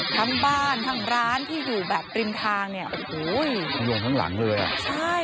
ทั้งบ้านทั้งร้านที่อยู่แบบริมทางเนี่ยโอ้โหทั้งวงทั้งหลังเลยอ่ะใช่